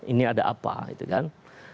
ini ada apa gitu kan